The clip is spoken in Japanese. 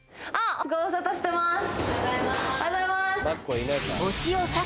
おはようございます